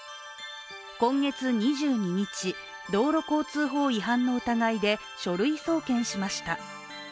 今月２２日、道路交通法違反の疑いで書類送検しました。